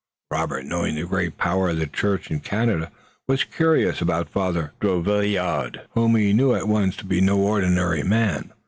Robert, knowing the great power of the church in Canada, was curious about Father Drouillard, whom he knew at once to be no ordinary man.